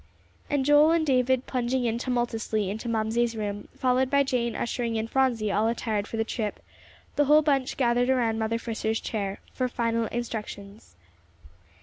And Joel and David plunging in tumultuously into Mamsie's room, followed by Jane ushering in Phronsie all attired for the trip, the whole bunch gathered around Mother Fisher's chair for final instructions.